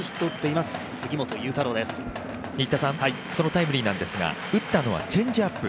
タイムリーなんですが打ったのはチェンジアップ。